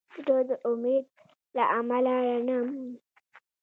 زړه د امید له امله رڼا مومي.